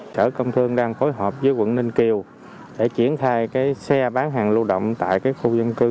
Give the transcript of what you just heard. sở công thương đang phối hợp với quận ninh kiều để triển khai xe bán hàng lưu động tại khu dân cư